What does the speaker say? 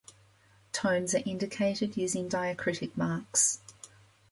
Tones are indicated using diacritic marks.